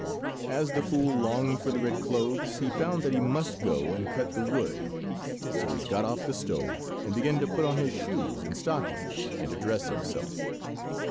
As the fool longed for the red clothes, he found that he must go and cut the wood. So he got off the stove, and began to put on his shoes and stockings, and to dress himself.